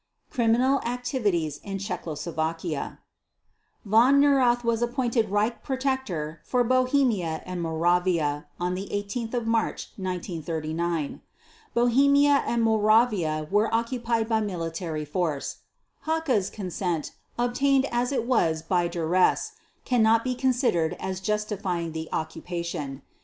Criminal Activities in Czechoslovakia Von Neurath was appointed Reich Protector for Bohemia and Moravia on 18 March 1939. Bohemia and Moravia were occupied by military force. Hacha's consent, obtained as it was by duress, cannot be considered as justifying the occupation.